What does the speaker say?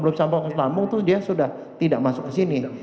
belum sampai masuk ke lambung itu dia sudah tidak masuk ke sini